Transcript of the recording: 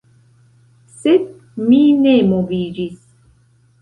Sed mi ne moviĝis.